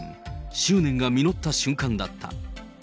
執念が実った瞬間だった。